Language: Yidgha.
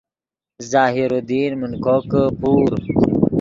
ظاہر الدین من کوکے پور